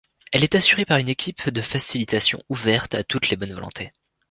Elle est assurée par une équipe de facilitation ouverte à toutes les bonnes volontés.